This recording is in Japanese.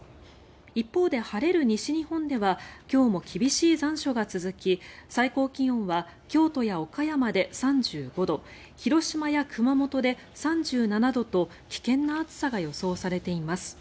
一方で、晴れる西日本では今日も厳しい残暑が続き最高気温は京都や岡山で３５度広島や熊本で３７度と危険な暑さが予想されています。